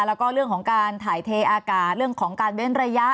แล้วก็เรื่องของการถ่ายเทอากาศเรื่องของการเว้นระยะ